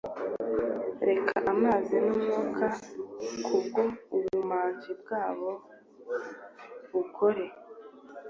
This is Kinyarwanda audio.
reka amazi n'umwuka kubwo ubumaji bwabo bukore